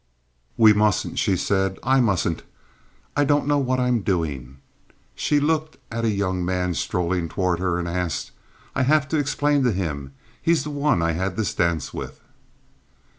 "We mustn't," she said. "I mustn't. I don't know what I'm doing." She looked at a young man strolling toward her, and asked: "I have to explain to him. He's the one I had this dance with."